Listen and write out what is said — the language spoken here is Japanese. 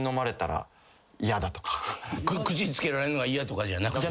口つけられんのが嫌とかじゃなくて。